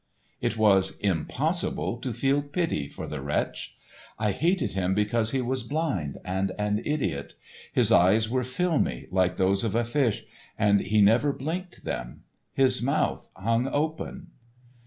It was impossible to feel pity for the wretch. I hated him because he was blind and an idiot. His eyes were filmy, like those of a fish, and he never blinked them. His mouth hung open.